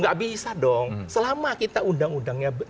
gak bisa dong selama kita undang undangnya